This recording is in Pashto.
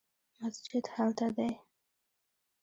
مسجد هلته دی